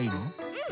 うん。